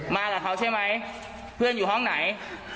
มากับเขาใช่ไหมเพื่อนอยู่ห้องไหน